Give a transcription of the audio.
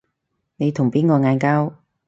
你同邊個嗌交